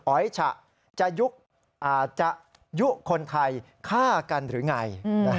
อ๋อยฉะจะยุคนไทยฆ่ากันหรือไง